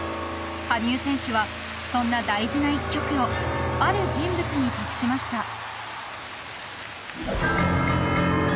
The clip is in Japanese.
［羽生選手はそんな大事な一曲をある人物に託しました］